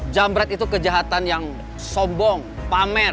jambret itu kejahatan yang sombong pamer